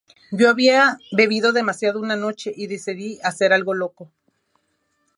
Yo había bebido demasiado una noche y decidí hacer algo loco.